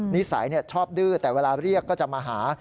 นิสัยชอบดื้อแต่เวลาเรียกก็จะมาหา